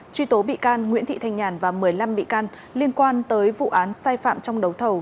truy tố bị can nguyễn thị thanh nhàn và một mươi năm bị can liên quan tới vụ án sai phạm trong đấu thầu